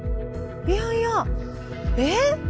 いやいや。えっ？